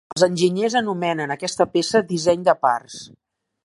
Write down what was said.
Els enginyers anomenen aquesta peça disseny de parts.